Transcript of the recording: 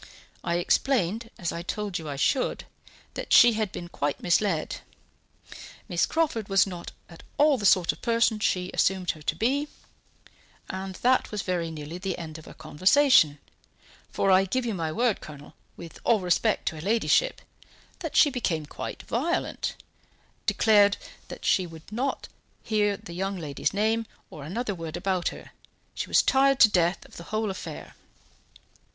I explained, as I told you I should, that she had been quite misled. Miss Crawford was not at all the sort of person she assumed her to be, and that was very nearly the end of our conversation; for I give you my word, Colonel, with all respect to her ladyship, that she became quite violent; declared that she did not want to hear the young lady's name or another word about her, that she was tired to death of the whole affair."